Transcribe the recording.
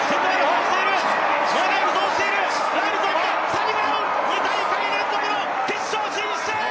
サニブラウン、２大会連続の決勝進出！